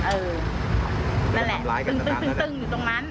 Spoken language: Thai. นั่นแหละตึงอยู่ตรงนั้น